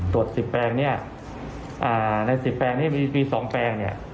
ตรวจ๑๐แปลงเนี่ยใน๑๐แปลงนี้มี๒แปลงเนี่ย